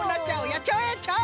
やっちゃおうやっちゃおう！